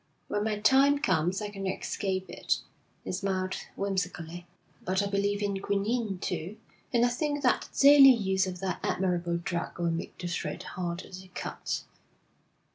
When my time comes, I cannot escape it.' He smiled whimsically. 'But I believe in quinine, too, and I think that the daily use of that admirable drug will make the thread harder to cut.'